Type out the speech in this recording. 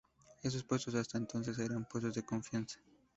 Esos puestos hasta entonces eran puestos de confianza.